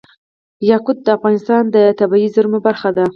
یاقوت د افغانستان د طبیعي زیرمو برخه ده.